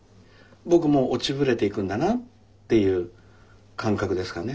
僕もう落ちぶれていくんだなっていう感覚ですかね。